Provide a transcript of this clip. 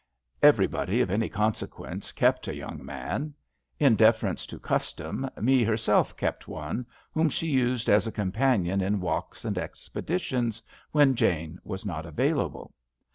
Everybody of any consequence kept a young man. In deference to custom Me herself kept one, whom she used as a com panion in walks and expeditions when Jane was not available.